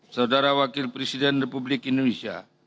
saudara wakil presiden republik indonesia